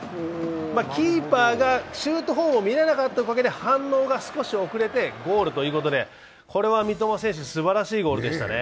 キーパーがシュートフォームを見れなかったことで反応が少し遅れてゴールということでこれは三笘選手、すばらしいゴールでしたね。